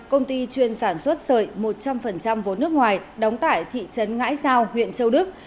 công ty chuyên sản xuất sợi một trăm linh vốn nước ngoài đóng tại thị trấn ngãi giao huyện châu đức